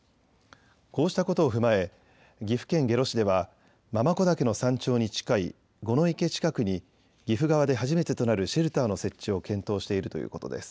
こうしたことを踏まえ岐阜県下呂市では継子岳の山頂に近い五の池近くに岐阜側で初めてとなるシェルターの設置を検討しているということです。